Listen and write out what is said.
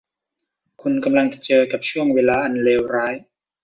คุณกำลังจะเจอกับช่วงเวลาอันเลวร้าย